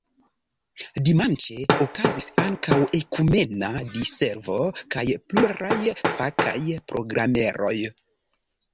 Dimanĉe okazis ankaŭ ekumena diservo kaj pluraj fakaj programeroj.